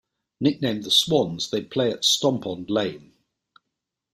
Nicknamed the Swans, they play at Stompond Lane.